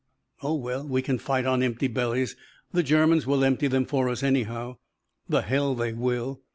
"Oh, well, we can fight on empty bellies. The Germans will empty them for us anyhow." "The hell they will."